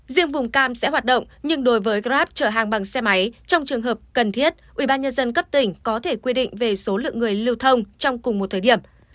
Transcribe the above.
riêng vùng cam sẽ hoạt động nhưng đối với grab chở hàng bằng xe máy trong trường hợp cần thiết ubnd cấp tỉnh có thể quy định về số lượng người lưu thông trong cùng một thời điểm